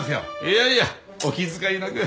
いやいやお気遣いなく。